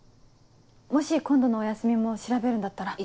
もし今度のお休みも調べるんだったら一緒に。